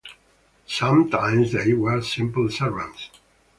Sometimes they were simply servants.